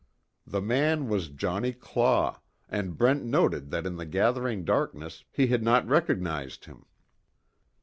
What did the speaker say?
The man was Johnnie Claw, and Brent noted that in the gathering darkness he had not recognized him.